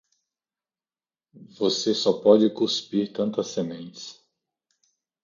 Você só pode cuspir tantas sementes.